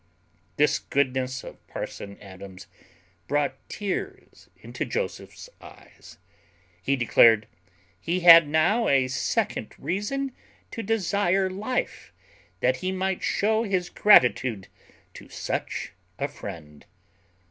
This goodness of parson Adams brought tears into Joseph's eyes; he declared, "He had now a second reason to desire life, that he might show his gratitude to such a friend."